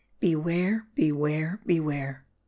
Beware beware ^beware."